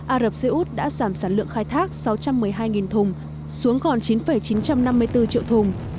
ả rập xê út đã giảm sản lượng khai thác sáu trăm một mươi hai thùng xuống còn chín chín trăm năm mươi bốn triệu thùng